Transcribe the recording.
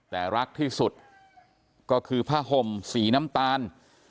แต่รักที่สุดก็คือผ้าห่มสีน้ำตาล